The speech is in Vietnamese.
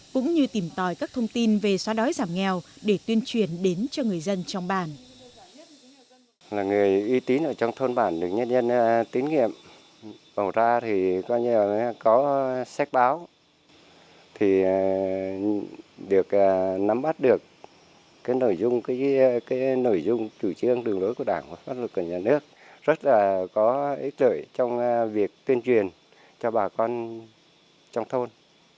cũng như tìm tòi các thông tin về xóa đói giảm nghèo để tuyên truyền đến cho người dân trong bản